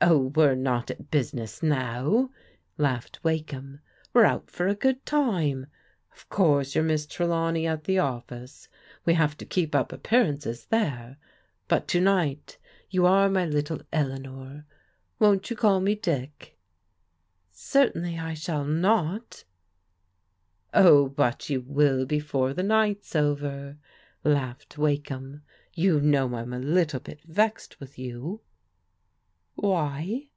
" Oh, we're not at business now," laughed Wakeham, we're out for a good time. Of course, you're Miss Trelawney at the office; we have to keep up appearances there, but to night you are my little Eleanor. Won't you can me Dick?" " Certainly I shall not" "Oh, but you will before the night's over," laughed Wakeham. " You know I'm a little bit vexed with you." "Why?"